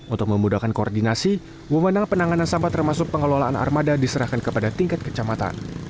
untuk memudahkan koordinasi memandang penanganan sampah termasuk pengelolaan armada diserahkan kepada tingkat kecamatan